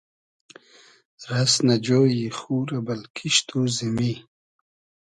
رئس نۂ جۉیی خو رۂ بئل کیشت و زیمی